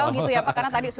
karena tadi sudah ada mall